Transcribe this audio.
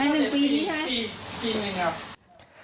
ในหนึ่งปีนี้ครับ